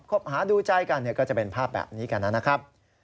บหาดูใจกันก็จะเป็นภาพแบบนี้กันนะครับ